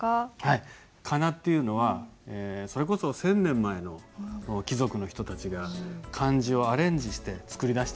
仮名っていうのはそれこそ１，０００年前の貴族の人たちが漢字をアレンジして作り出したんですよね。